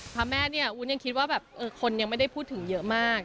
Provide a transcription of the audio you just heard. พระแม่เนี่ยวุ้นยังคิดว่าแบบคนยังไม่ได้พูดถึงเยอะมาก